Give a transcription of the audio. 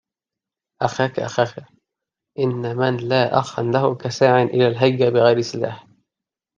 أخاك أخاك إن من لا أخاً له كساعٍ إلى الهيجا بغير سلاح